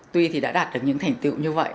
tuy thì đã đạt được những thành tựu như vậy